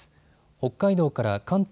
北海道から関東